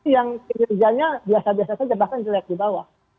yang kinerjanya biasa biasa saja bahkan jelek di bawah